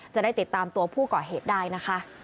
จะได้ติดตามตัวผู้ก่อเหตุได้นะคะ